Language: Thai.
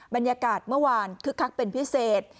บรรยากาศเมื่อวานคึกคักเป็นพิเศษ